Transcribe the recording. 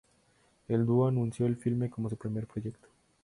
El duo anunció el filme como su primer proyecto.